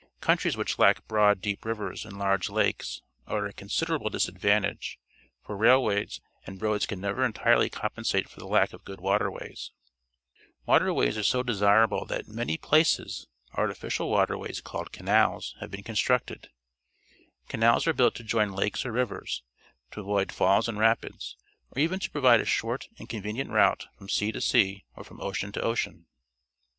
Countries which lack broad, deep rivers and large lakes are at a considerable disadvantage, for railways and roads can never entirely compensate for the lack of good watei^ways. Waterways are so desirable that in many places artificial waterways, called canals, 26 PUBLIC SCHOOL GEOGRAPHY have been constructed. Canals are built to' join lakes or rivers, to avoid falls and rapids, or even to provide a short and convenient route from sea to sea or from ocean to ocean.